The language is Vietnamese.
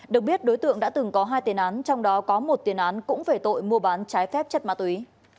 được biết đối tượng đã từng có hai tiền án trong đó có một tiền án cũng về tội mua bán trái phép chất ma túy